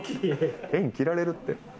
縁切られるって。